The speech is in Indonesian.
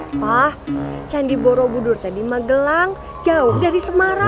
wah candi borobudur tadi magelang jauh dari semarang